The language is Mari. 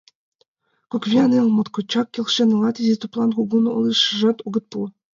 Кок виян эл моткочак келшен илат... изи туллан кугун ылыжаш огыт пу.